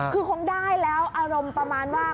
คือคงได้แล้วอารมณ์ประมาณว่า